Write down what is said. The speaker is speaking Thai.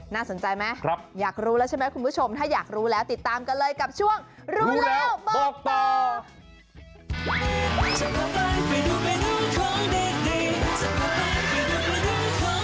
น่าสนใจไหมอยากรู้แล้วใช่ไหมคุณผู้ชมถ้าอยากรู้แล้วติดตามกันเลยกับช่วงรู้แล้วบอกต่อ